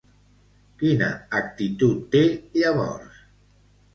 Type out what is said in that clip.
Quina actitud té, llavors?